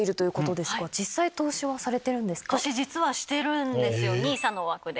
私実はしてるんですよＮＩＳＡの枠で。